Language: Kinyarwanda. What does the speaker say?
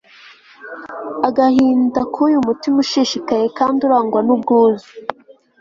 agahinda k'uyu mutima ushishikaye kandi urangwa n'ubwuzu